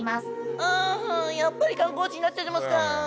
あやっぱりかんこうちになっちゃってますか。